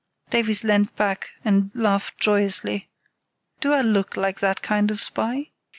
(Davies leant back and laughed joyously) "do I look like that kind of spy?"